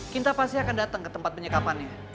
kinta pasti akan dateng ke tempat penyekapannya